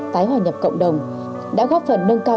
tái hòa nhập cộng đồng đã góp phần nâng cao